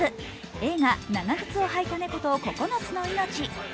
映画「長ぐつをはいたネコと９つの命」。